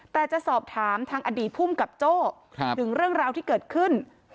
แต่จะสอบถามทางอดีตภูมิกับโจ้ถึงเรื่องราวที่เกิดขึ้น